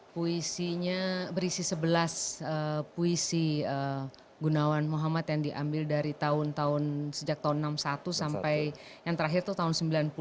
puisinya berisi sebelas puisi gunawan muhammad yang diambil dari tahun tahun sejak tahun seribu sembilan ratus enam puluh satu sampai yang terakhir itu tahun sembilan puluh